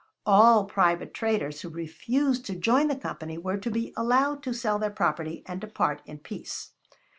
All private traders who refused to join the Company were to be allowed to sell their property and depart in peace.